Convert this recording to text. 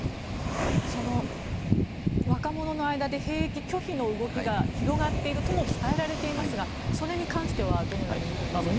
その若者の間で兵役拒否の動きが広がっているとも伝えられていますがそれに関してはどのように見ていますか？